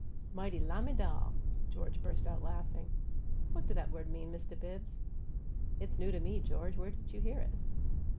"Mighty lamiDAL!" George, burst out laughing. "What DO 'at word mean, Mist' Bibbs?" "It's new to me, George. Where did you hear it?"